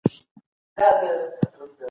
هیڅوک په بشپړ ډول بد نه ښيي.